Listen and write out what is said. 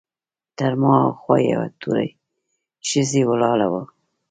تر ما هاخوا یوه تورۍ ښځه ولاړه وه.